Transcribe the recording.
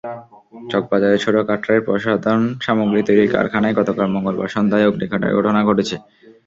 চকবাজারের ছোট কাটরায় প্রসাধনসামগ্রী তৈরির কারখানায় গতকাল মঙ্গলবার সন্ধ্যায় অগ্নিকাণ্ডের ঘটনা ঘটেছে।